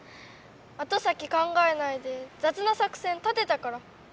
後先考えないでざつな作戦立てたから。